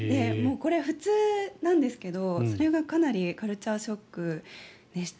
これは普通なんですけどそれがかなりカルチャーショックでした。